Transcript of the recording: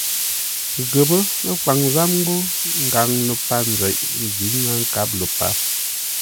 Ghəpə́ kwaŋ záp ńgó ngaŋ ləpar nzeʼ ghʉ̌ ŋə́ nkâp lə́ páp.